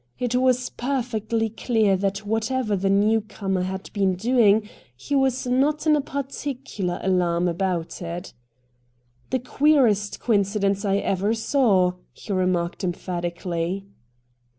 It was perfectly clear that whatever the new comer had been doing he was not in any particular alarm about it. ' The queerest coincidence I ever saw,' he remarked emphatically.